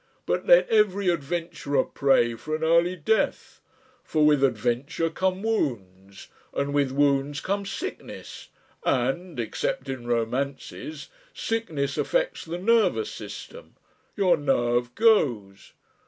"But let every adventurer pray for an early death, for with adventure come wounds, and with wounds come sickness, and except in romances sickness affects the nervous system. Your nerve goes.